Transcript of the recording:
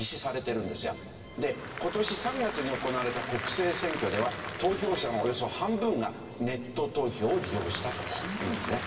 で今年３月に行われた国政選挙では投票者のおよそ半分がネット投票を利用したというんですね。